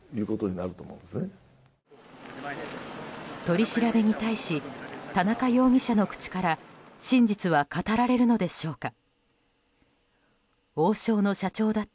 取り調べに対し田中容疑者の口から真実は語られるのでしょうか。